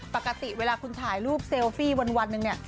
ปกติเวลาคุณถ่ายรูปเซลฟี่วันหนึ่งเนี่ย